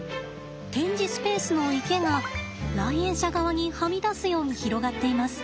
展示スペースの池が来園者側にはみ出すように広がっています。